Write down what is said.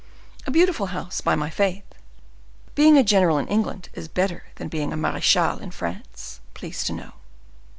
A beautiful house, by my faith. Being a general in England is better than being a marechal in France, please to know."